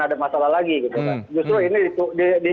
ada masalah lagi justru ini